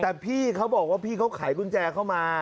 แต่พี่เขาบอกว่าพี่เขาไขกุญแจเข้ามา